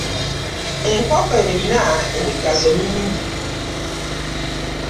Enkoko erina emigaso mingi.